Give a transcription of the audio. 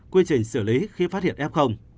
quy trình xử lý khi phát hiện f